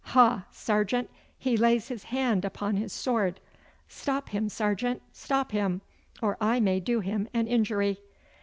Ha, sergeant, he lays his hand upon his sword! Stop him, sergeant, stop him, or I may do him an injury.